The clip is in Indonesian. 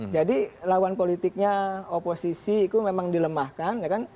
jadi lawan politiknya oposisi itu memang dilemahkan ya kan